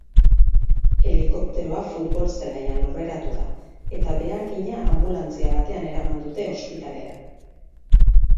Helikopteroak futbol-zelaian lurreratu da, eta behargina anbulantzi batean eraman dute ospitalera.